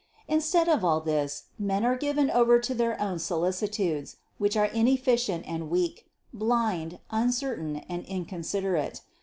Instead of all this men are given over to their own solicitudes, which are inefficient and weak, blind, uncertain and inconsiderate.